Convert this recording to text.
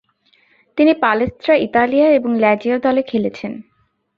তিনি Palestra Italia এবং Lazio দলে খেলেছেন।